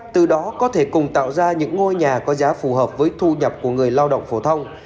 từ đó có thể cùng tạo ra những ngôi nhà có giá phù hợp với thu nhập của người lao động phổ thông